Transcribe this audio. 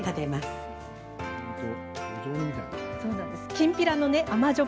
きんぴらの甘じょ